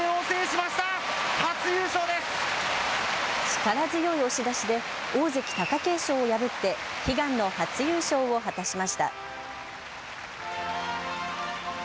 力強い押し出しで大関・貴景勝を破って悲願の初優勝を果たしました。